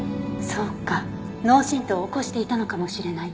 そうか脳震盪を起こしていたのかもしれない。